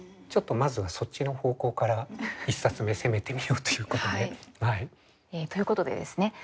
まずはそっちの方向から１冊目攻めてみようということで。ということでですね